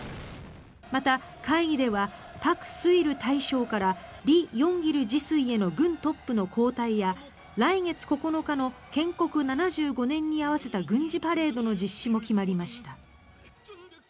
また、会議ではパク・スイル大将からリ・ヨンギル次帥への軍トップの交代や来月９日の建国７５年に合わせた軍事パレードの実施も決まりました。